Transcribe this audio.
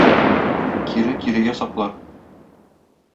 Кире кирегә саплар.